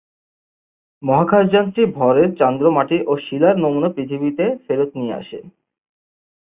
মহাকাশযানটি ভরের চান্দ্র মাটি ও শিলার নমুনা পৃথিবীতে ফেরত নিয়ে আসে।